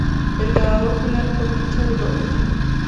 El ganador final fue Michael Rogers.